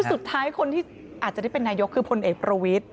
สุดท้ายคนที่อาจจะได้เป็นนายกคือพลเอกประวิทธิ